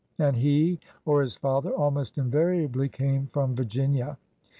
And he— or his father— almost invariably came from Virginia.